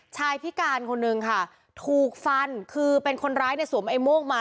พิการคนนึงค่ะถูกฟันคือเป็นคนร้ายเนี่ยสวมไอ้โม่งมา